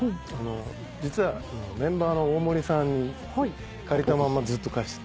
実はメンバーの大森さんに借りたままずっと返してない。